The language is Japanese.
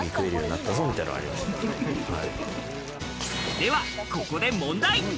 では、ここで問題！